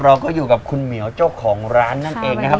เราก็อยู่กับคุณเหมียวเจ้าของร้านนั่นเองนะครับ